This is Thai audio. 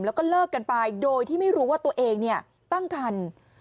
แล้วก็เลิกกันไปโดยที่ไม่รู้ว่าตัวเองตั้งคัน